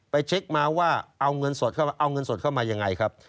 ไปเช็คมาว่าเอาเงินสดเข้ามาเอาเงินสดเข้ามายังไงครับ